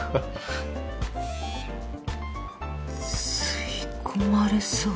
「吸い込まれそう」